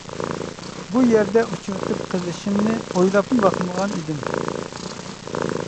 بۇ يەردە ئۇچرىتىپ قىلىشىمنى ئويلاپمۇ باقمىغان ئىدىم.